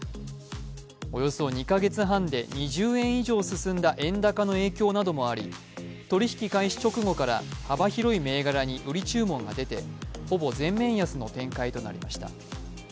およそ２か月半で２０円以上進んだ円高の影響などもあり取引開始直後から幅広い銘柄に売り注文が出てほぼ全面安の展開となりました。